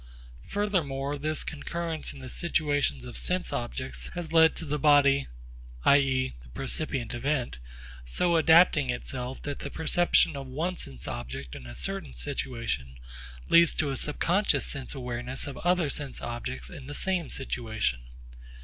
Furthermore this concurrence in the situations of sense objects has led to the body i.e. the percipient event so adapting itself that the perception of one sense object in a certain situation leads to a subconscious sense awareness of other sense objects in the same situation.